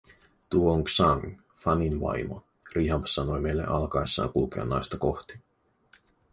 "Tuo on Xiang, Fanin vaimo", Rihab sanoi meille alkaessaan kulkea naista kohti.